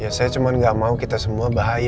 ya saya cuman gak mau kita semua bahaya din